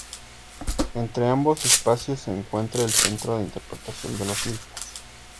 Entre ambos espacios se encuentra el Centro de Interpretación de los mismos.